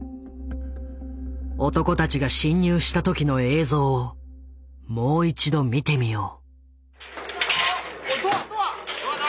男たちが侵入した時の映像をもう一度見てみよう。